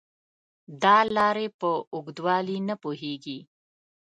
دا لارې په اوږدوالي نه پوهېږي .